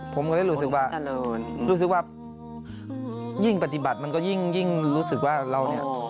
ผมก็เลยรู้สึกว่ารู้สึกว่ายิ่งปฏิบัติมันก็ยิ่งรู้สึกว่าเราเนี่ย